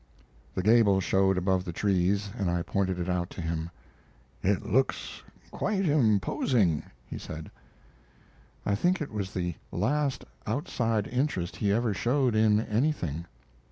The gable showed above the trees, and I pointed it out to him. "It looks quite imposing," he said. I think it was the last outside interest he ever showed in anything.